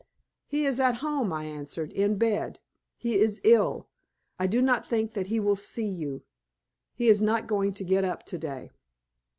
"He is at home," I answered, "in bed. He is ill. I do not think that he will see you. He is not going to get up to day."